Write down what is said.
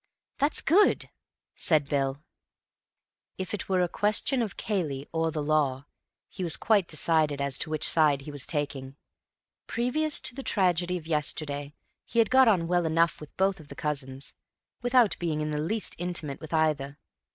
"That's good," said Bill. If it were a question of Cayley or the Law, he was quite decided as to which side he was taking. Previous to the tragedy of yesterday he had got on well enough with both of the cousins, without being in the least intimate with either.